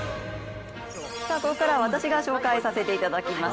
ここからは私が紹介させていただきます。